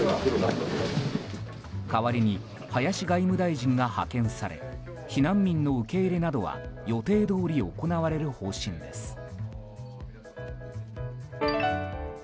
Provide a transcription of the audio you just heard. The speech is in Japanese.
代わりに、林外務大臣が派遣され避難民の受け入れなどは予定どおり行われる方針です。